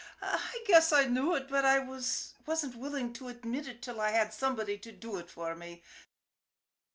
I guess I knew it, but I wasn't willin' to admit it till I had somebody to do it for me.